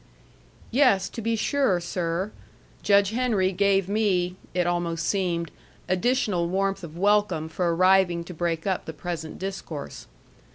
"Yes, to be sure, sir." Judge Henry gave me (it almost seemed) additional warmth of welcome for arriving to break up the present discourse.